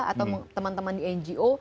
atau teman teman di ngo